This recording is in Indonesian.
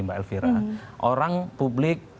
mbak elvira orang publik